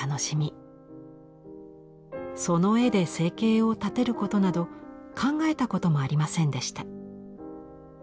その絵で生計を立てることなど考えたこともありませんでした。